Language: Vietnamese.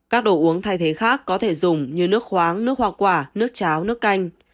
các đồ uống thay thế khác có thể dùng như nước khoáng nước hoa quả nước cháo nước canh